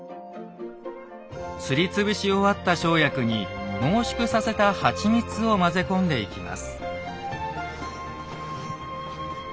すりつぶし終わった生薬に濃縮させた蜂蜜を混ぜ込んでいきます。